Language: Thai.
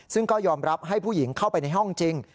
ซึ่งก็ยอมรับให้ผู้หญิงเข้าไปในห้องจริง